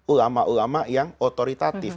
ulama ulama yang otoritatif